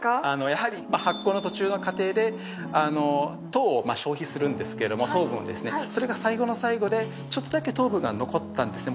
やはり発酵の途中の過程で糖を消費するんですけど糖分をそれが最後の最後でちょっとだけ糖分が残ったんですね